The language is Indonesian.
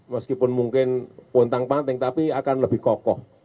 meskipun mungkin untang panting tapi akan lebih kokoh